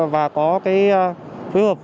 và có phối hợp